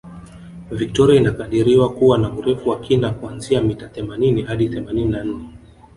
Victoria inakadiriwa kuwa na Urefu wa kina kuanzia mita themanini hadi themanini na nne